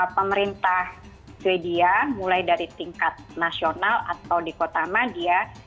pemerintah sweden mulai dari tingkat nasional atau di kota madia